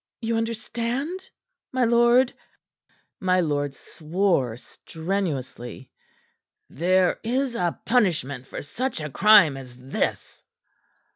You understand, my lord." My lord swore strenuously. "There is a punishment for such a crime as this."